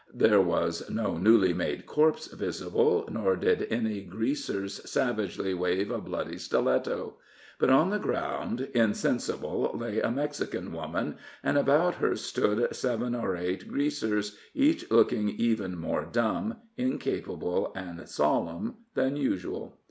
There was no newly made corpse visible, nor did any Greasers savagely wave a bloody stiletto. But on the ground, insensible, lay a Mexican woman, and about her stood seven or eight Greasers, each looking even more dumb, incapable, and solemn than usual.